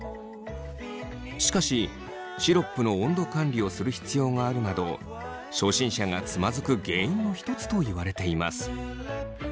しかしシロップの温度管理をする必要があるなど初心者がつまずく原因の一つといわれています。